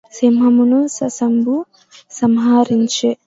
సింహమును శశంబు సంహరించె